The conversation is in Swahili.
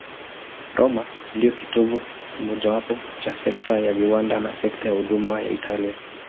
Roma ndiyo kitovu kimojawapo cha sekta ya viwanda na sekta ya huduma ya Italia.